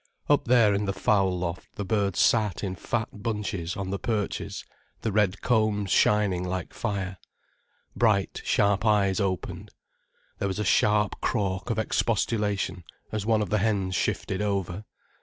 Up there in the fowl loft, the birds sat in fat bunches on the perches, the red combs shining like fire. Bright, sharp eyes opened. There was a sharp crawk of expostulation as one of the hens shifted over.